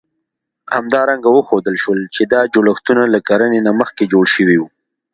همدارنګه وښودل شول، چې دا جوړښتونه له کرنې نه مخکې جوړ شوي وو.